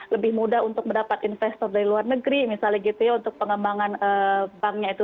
lebih mudah untuk mendapat investor dari luar negeri misalnya gitu ya untuk pengembangan banknya itu